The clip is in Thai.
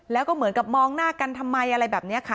แล้วก็เหมือนกับมองหน้ากันทำไมอะไรแบบนี้ค่ะ